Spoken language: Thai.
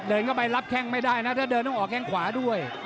เดินเข้าไปรับแข้งไม่ได้นะถ้าเดินต้องออกแข้งขวาด้วย